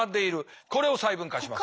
これを細分化します。